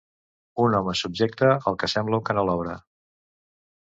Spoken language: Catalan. Un home subjecte el que sembla un canelobre.